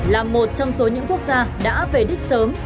là một trong số những quốc gia đã về đích sớm